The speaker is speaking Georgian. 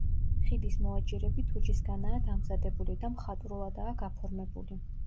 ხიდის მოაჯირები თუჯისგანაა დამზადებული და მხატვრულადაა გაფორმებული.